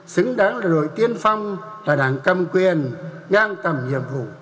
xứng đáng là đội tiên phong là đảng cầm quyền ngang tầm nhiệm vụ